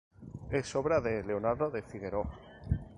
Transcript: Es obra de Leonardo de Figueroa.